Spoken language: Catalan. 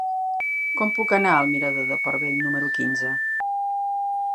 Com puc anar al mirador del Port Vell número quinze?